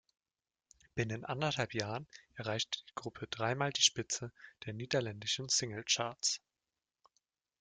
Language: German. Binnen anderthalb Jahren erreichte die Gruppe dreimal die Spitze der niederländischen Singlecharts.